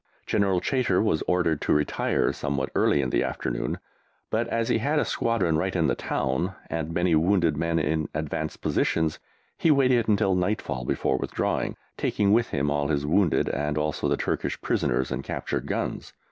General Chaytor was ordered to retire somewhat early in the afternoon, but, as he had a squadron right in the town, and many wounded men in advanced positions, he waited until nightfall before withdrawing, taking with him all his wounded, and also the Turkish prisoners and captured guns.